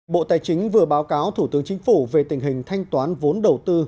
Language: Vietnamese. bộ tài chính vừa báo cáo thủ tướng chính phủ về tình hình thanh toán vốn đầu tư